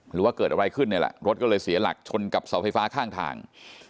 หรือว่าเกิดอะไรขึ้นเนี่ยแหละรถก็เลยเสียหลักชนกับเสาไฟฟ้าข้างทาง